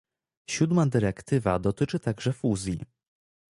Siódma dyrektywa dotyczy także fuzji